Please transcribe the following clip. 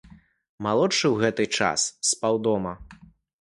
Малодшы ў гэты час спаў дома.